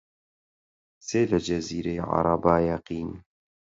سێ لە جەزیرەی عەرەبا یەقین